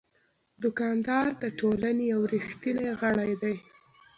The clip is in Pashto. دوکاندار د ټولنې یو ریښتینی غړی دی.